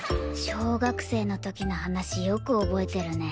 小学生の時の話よく覚えてるね。